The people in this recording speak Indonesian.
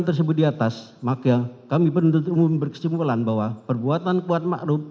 tersebut diatas maka kami penuntut umum berkesimpulan bahwa perbuatan kuat makhluk